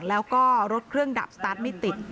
แล้วก็รถเครื่องดับสตาร์ทไม่ติด